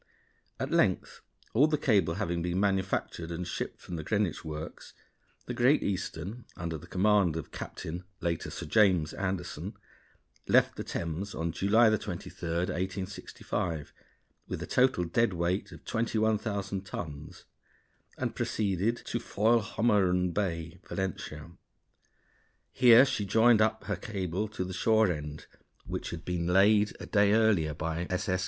_ At length all the cable having been manufactured and shipped from the Greenwich works, the Great Eastern, under the command of Captain (later Sir James) Anderson, left the Thames on July 23, 1865, with a total dead weight of 21,000 tons, and proceeded to Foilhommerun Bay, Valentia. Here she joined up her cable to the shore end, which had been laid a day earlier by S.S.